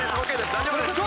大丈夫です。